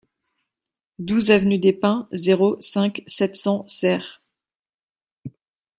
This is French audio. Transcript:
douze avenue des Pins, zéro cinq, sept cents, Serres